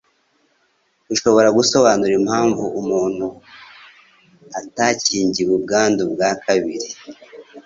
Ushobora gusobanura impamvu umuntu atakingiwe ubwandu bwa kabiri.